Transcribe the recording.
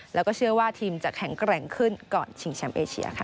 แล้วก็เชื่อว่าทีมจะแข็งแกร่งขึ้นก่อนชิงแชมป์เอเชียค่ะ